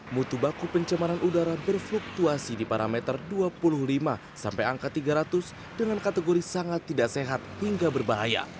mutu baku pencemaran udara berfluktuasi di parameter dua puluh lima sampai angka tiga ratus dengan kategori sangat tidak sehat hingga berbahaya